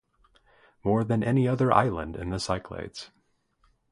More than any other island in Cyclades.